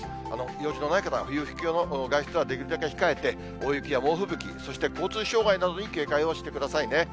用事のない方は、不要不急の外出はできるだけ控えて、大雪や猛吹雪、そして交通障害などに警戒をしてくださいね。